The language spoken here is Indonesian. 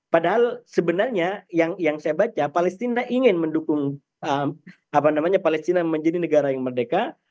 padahal sebenarnya yang saya baca palestina ingin mendukung palestina menjadi negara yang merdeka